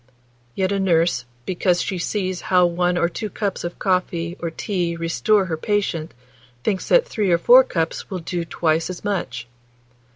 Yet a nurse, because she sees how one or two cups of tea or coffee restore her patient, thinks that three or four cups will do twice as much.